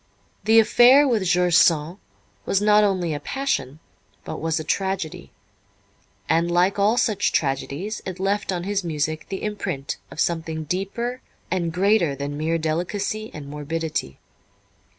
The affair with George Sand was not only a passion, but was a tragedy, and like all such tragedies it left on his music the imprint of something deeper and greater than mere delicacy and morbidity.